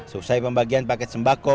seusai pembagian paket sembako